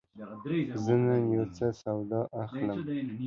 زه نن یوڅه سودا اخلم.